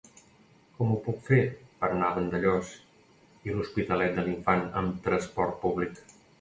Com ho puc fer per anar a Vandellòs i l'Hospitalet de l'Infant amb trasport públic?